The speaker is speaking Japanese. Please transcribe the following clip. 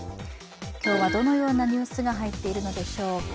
今日はどのようなニュースが入っているのでしょうか。